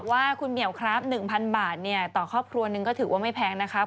ว่าคุณเหมียวครับ๑๐๐บาทต่อครอบครัวหนึ่งก็ถือว่าไม่แพงนะครับ